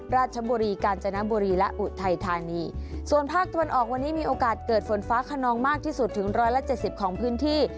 ราชบุรีกาญจนบุรีและอุทัยธานีส่วนภาคตะวันออกวันนี้มีโอกาสเกิดฝนฟ้าขนองมากที่สุดถึงร้อยละเจ็ดสิบของพื้นที่